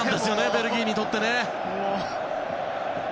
ベルギーにとってね。